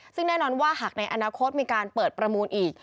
ซึ่งแน่นอนว่าหากในอนาคตมีการเปิดประมูลอีก